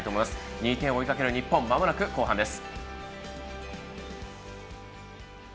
２点を追いかける日本まもなく後半です。